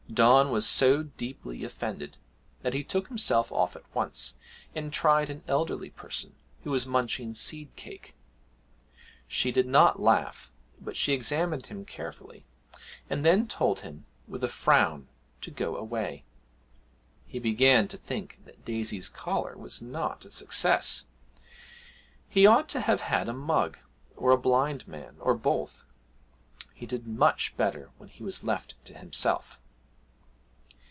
Don was so deeply offended that he took himself off at once, and tried an elderly person who was munching seed cake; she did not laugh, but she examined him carefully, and then told him with a frown to go away. He began to think that Daisy's collar was not a success; he ought to have had a mug, or a blind man, or both; he did much better when he was left to himself.